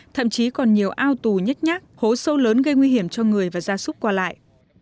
thậm chí còn nhiều ao tù nhách nhác hố sâu lớn gây nguy hiểm cho người và gia súc qua lại